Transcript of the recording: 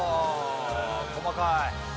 細かい。